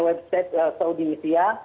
website saudi mesia